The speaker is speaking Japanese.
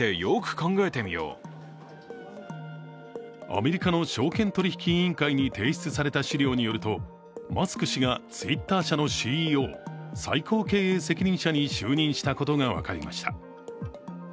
アメリカの証券取引委員会に提出された資料によるとマスク氏がＴｗｉｔｔｅｒ社のＣＥＯ最高経営責任者に就任したことが分かりました。